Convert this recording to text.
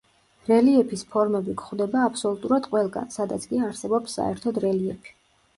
რელიეფის ფორმები გვხვდება აბსოლუტურად ყველგან, სადაც კი არსებობს საერთოდ რელიეფი.